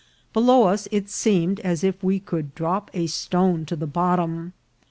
Below us it seemed as if we could drop a stone to the bottom.